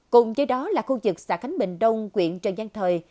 cùng với đó là khu vực xã khánh bình đông quyện trần giang thời